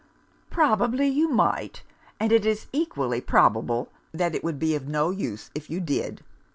'Probably you might. And it is equally probable that it would be of no use if you did.